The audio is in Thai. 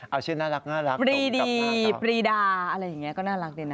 เอาชื่อน่ารักปรีดีปรีดาอะไรอย่างนี้ก็น่ารักดีนะ